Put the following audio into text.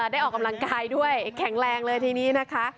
ออกกำลังกายด้วยแข็งแรงเลยทีนี้นะคะ